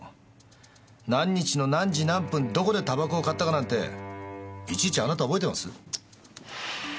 何日の何時何分どこでタバコを買ったかなんていちいちあなた覚えてます？